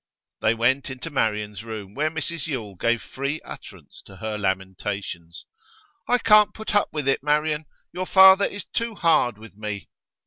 They went into Marian's room, where Mrs Yule gave free utterance to her lamentations. 'I can't put up with it, Marian! Your father is too hard with me.